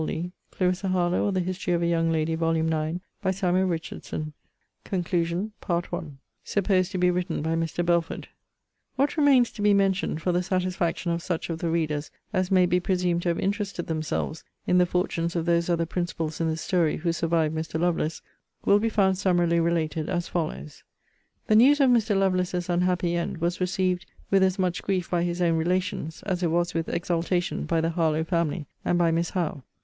And so, waiting at this place your commands, I am, Sir, Your most faithful and obedient servant, F.J. DE LA TOUR. CONCLUSION SUPPOSED TO BE WRITTEN BY MR. BELFORD What remains to be mentioned for the satisfaction of such of the readers as may be presumed to have interested themselves in the fortunes of those other principals in the story, who survived Mr. Lovelace, will be found summarily related as follows: The news of Mr. LOVELACE's unhappy end was received with as much grief by his own relations, as it was with exultation by the Harlowe family, and by Miss Howe.